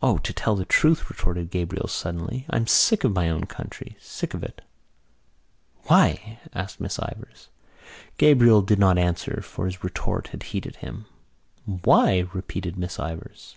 "O, to tell you the truth," retorted Gabriel suddenly, "I'm sick of my own country, sick of it!" "Why?" asked Miss Ivors. Gabriel did not answer for his retort had heated him. "Why?" repeated Miss Ivors.